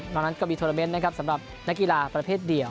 ตอนนั้นก็มีโทรเมนต์นะครับสำหรับนักกีฬาประเภทเดียว